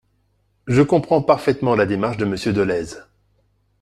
Je comprends parfaitement la démarche de Monsieur Dolez.